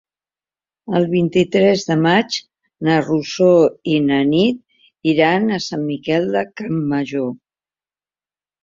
El vint-i-tres de maig na Rosó i na Nit iran a Sant Miquel de Campmajor.